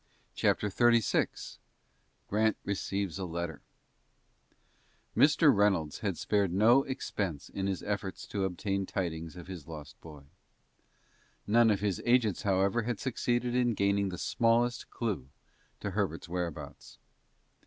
CHAPTER XXXVI GRANT RECEIVES A LETTER Mr. Reynolds had spared no expense in his efforts to obtain tidings of his lost boy. None of his agents, however, had succeeded in gaining the smallest clew to Herbert's whereabouts.